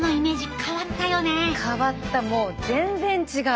変わったもう全然違う。